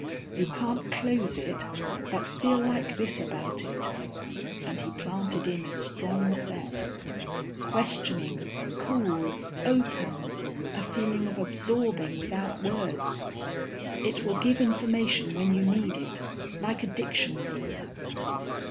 You can't close it, but feel like this about it_ and he planted in a strong set, _questioning, cool, open, a feeling of absorbing without words ... it will give information when you need it, like a dictionary.